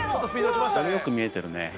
これよく見えてるね。